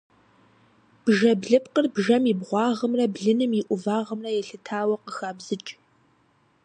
Бжэблыпкъыр бжэм и бгъуагъымрэ блыным и ӏувагъымрэ елъытауэ къыхабзыкӏ.